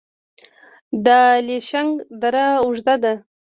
د الیشنګ دره اوږده ده